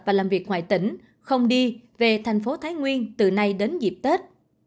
và làm việc ngoại tỉnh không đi về thành phố thái nguyên từ nay đến dịp tết